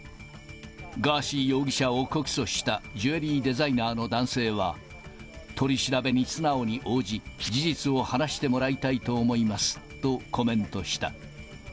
ガーシー容疑者を告訴したジュエリーデザイナーの男性は、取り調べに素直に応じ、事実を話してもらいたいと思いますとコメントした。